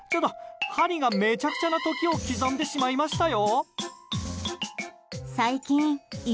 針がめちゃくちゃな時を刻んでしまいましたよ。